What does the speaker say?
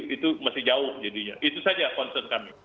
itu masih jauh jadinya itu saja concern kami